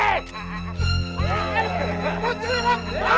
auran contoh urat muah ya